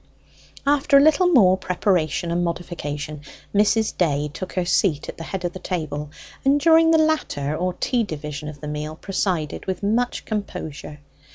After a little more preparation and modification, Mrs. Day took her seat at the head of the table, and during the latter or tea division of the meal, presided with much composure.